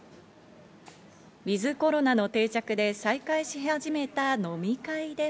ｗｉｔｈコロナの定着で再開し始めた飲み会では。